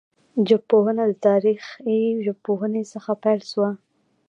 ژبپوهنه د تاریخي ژبپوهني څخه پیل سوه.